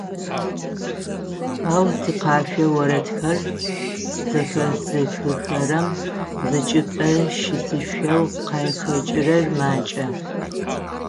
Ау тикъэшъо орэдхэр зэхэзыхыхэрэм зычӏыпӏэ щысышъоу къахэкӏырэр макӏэ.